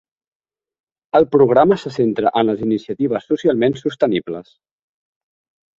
El programa se centra en les iniciatives socialment sostenibles.